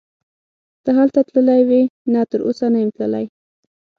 ته هلته تللی وې؟ نه تراوسه نه یم تللی.